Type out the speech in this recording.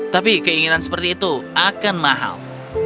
tapi keinginan seperti itu akan mahal